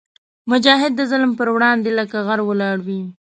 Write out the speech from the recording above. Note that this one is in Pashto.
مجاهد د ظلم پر وړاندې لکه غر ولاړ وي.